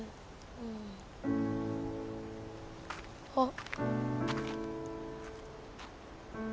うん。あっ。